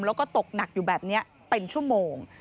แล้วก็ตกหนักอยู่แบบนี้เป็นชั่วโมง